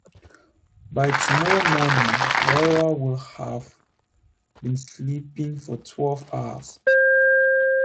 By tomorrow morning, Laura will have been sleeping for twelve hours.